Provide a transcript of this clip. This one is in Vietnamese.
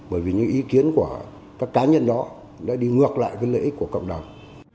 bởi vì những ý kiến của các cá nhân đó đã đi ngược lại cái lợi ích của cộng đồng